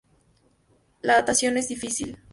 La datación es difícil.